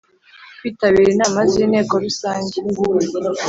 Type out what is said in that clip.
kwitabira inama z Inteko Rusange